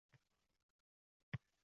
Gollivudning jangari filmlarini olaylik